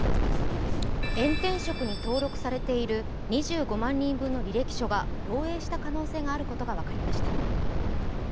エン転職に登録されている２５万人分の履歴書が漏えいした可能性があることが分かりました。